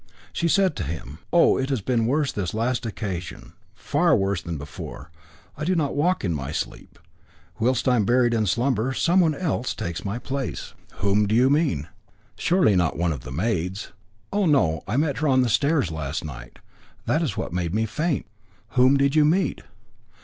She said to him: "Oh! it has been worse this last occasion, far worse than before. I do not walk in my sleep. Whilst I am buried in slumber, someone else takes my place." "Whom do you mean? Surely not one of the maids?" "Oh, no. I met her on the stairs last night, that is what made me faint." "Whom did you meet?"